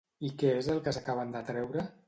I què és el que acaben de treure?